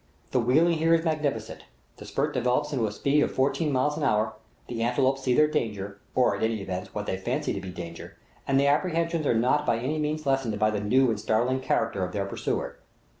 The wheeling is here magnificent, the spurt develops into a speed of fourteen miles an hour; the antelopes see their danger, or, at all events, what they fancy to be danger, and their apprehensions are not by any mean lessened by the new and startling character of their pursuer.